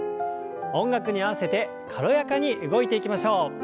音楽に合わせて軽やかに動いていきましょう。